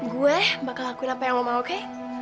gue bakal lakuin apa yang mau oke